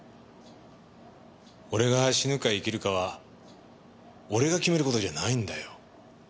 俺が死ぬか生きるかは俺が決める事じゃないんだよ。